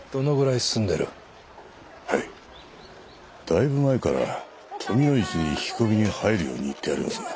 だいぶ前から富の市に引き込みに入るように言ってありますが。